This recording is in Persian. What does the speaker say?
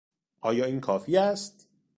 آیا این کافی است؟